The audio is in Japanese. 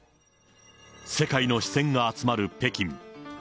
世界の視線が集まる北京。